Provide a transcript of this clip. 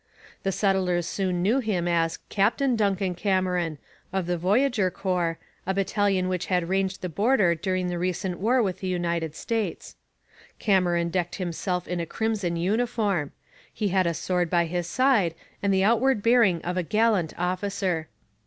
The settlers soon knew him as 'Captain' Duncan Cameron, of the Voyageur Corps, a battalion which had ranged the border during the recent war with the United States. Cameron decked himself in a crimson uniform. He had a sword by his side and the outward bearing of a gallant officer.